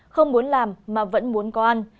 không muốn làm mà vẫn muốn có ăn